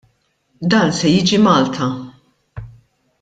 Dan se jiġi Malta!